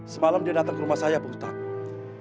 semalam dia datang ke rumah saya pak ustadz